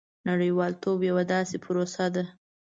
• نړیوالتوب یوه داسې پروسه ده.